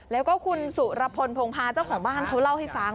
แล้วก็คุณสุรพลพงภาเจ้าของบ้านเขาเล่าให้ฟัง